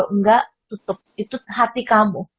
enggak tutup itu hati kamu